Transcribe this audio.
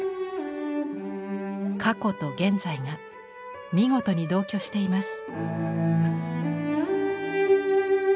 過去と現在が見事に同居しています。